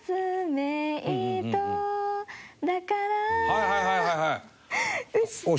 はいはいはいはい！